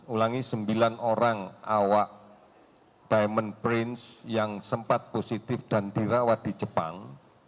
ulangi sembilan orang awak diamond prince yang sempat positif dan dirawat di jepang